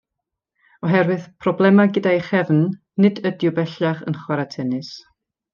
Oherwydd problemau gyda'i chefn, nid ydyw bellach y chwarae tenis.